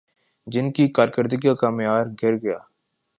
جن کی کارکردگی کا معیار گرگیا